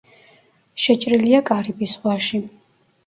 შეჭრილია კარიბის ზღვაში.